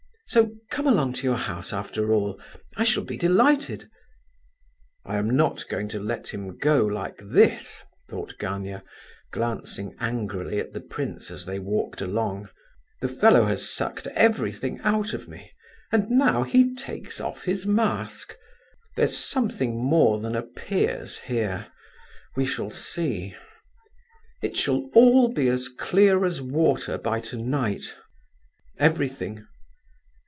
So come along to your house, after all. I shall be delighted—" "I am not going to let him go like this," thought Gania, glancing angrily at the prince as they walked along. "The fellow has sucked everything out of me, and now he takes off his mask—there's something more than appears, here we shall see. It shall all be as clear as water by tonight, everything!"